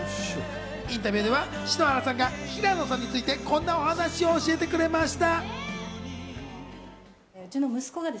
インタビューでは篠原さんが平野さんについてこんなお話を教えてくれました。